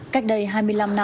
cách đây hai mươi năm năm